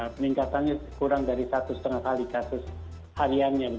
peningkatannya kurang dari satu setengah kali kasus hariannya